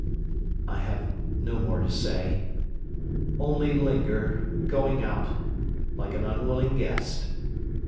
I have no more to say; only linger, going out, like an unwilling guest.